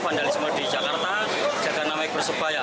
vandalisme di jakarta jaga namanya persebaya